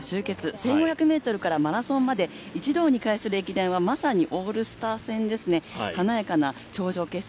１５００ｍからマラソンまで一堂に会する駅伝はまさにオールスター戦ですね、華やかな頂上決戦。